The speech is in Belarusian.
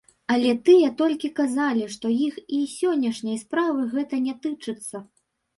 Але тыя толькі казалі, што іх і сённяшняй справы гэта не тычыцца.